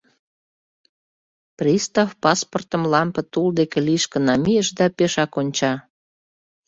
Пристав паспортым лампе тул деке лишке намийыш да пешак онча...